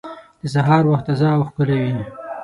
د سهار وخت تازه او ښکلی وي.